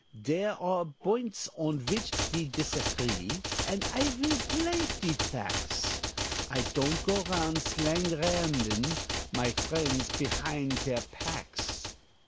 Dere are boints on vhich ve tisagree, And I will plank de facts I don't go round slanganderin My friendts pehind deir packs.